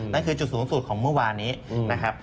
นั่นคือจุดสูงสุดของเมื่อวานนี้นะครับ